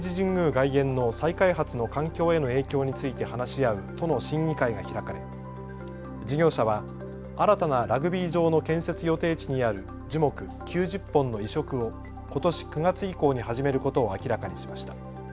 外苑の再開発の環境への影響について話し合う都の審議会が開かれ事業者は新たなラグビー場の建設予定地にある樹木９０本の移植をことし９月以降に始めることを明らかにしました。